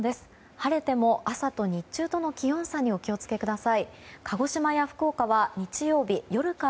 晴れても朝と日中との気温差にお気を付けください。